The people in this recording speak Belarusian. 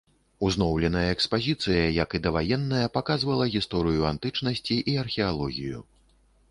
Узноўленая экспазіцыя, як і даваенная, паказвала гісторыю антычнасці і археалогію.